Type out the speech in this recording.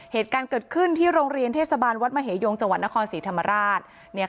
เหตุการณ์เกิดขึ้นที่โรงเรียนเทศบาลวัดมเหยงจังหวัดนครศรีธรรมราช